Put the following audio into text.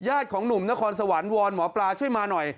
ของหนุ่มนครสวรรค์วอนหมอปลาช่วยมาหน่อย